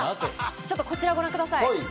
ちょっとこちらをご覧ください。